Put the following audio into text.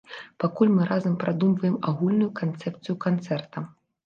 Пакуль мы разам прадумваем агульную канцэпцыю канцэрта.